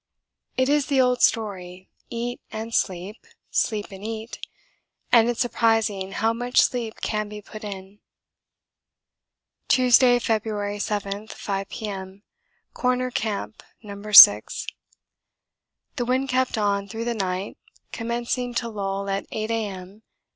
It is the old story, eat and sleep, sleep and eat and it's surprising how much sleep can be put in. Tuesday, February 7, 5 P.M. Corner Camp, No. 6. The wind kept on through the night, commencing to lull at 8 A.M.